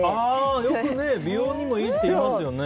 よく美容にもいいって言いますよね。